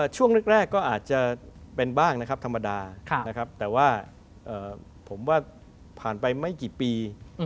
ช่วงแรกก็อาจจะเป็นบ้างนะครับธรรมดานะครับแต่ว่าผมว่าผ่านไปไม่กี่ปี